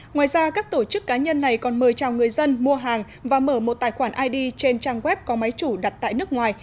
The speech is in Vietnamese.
ngoài ra các tổ chức cá nhân này còn mời chào người dân mua hàng và mở một tài khoản id trên trang web có máy chủ đặt tại nước ngoài